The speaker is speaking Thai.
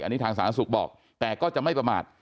อันนี้ทางสาธารณสุขบอกแต่ก็จะไม่ประมาท